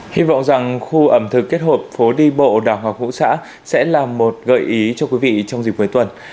hy vọng rằng khu ẩm thực kết hợp phố đi bộ đào ngọc vũ xã sẽ là một gợi ý cho quý vị trong dịp cuối tuần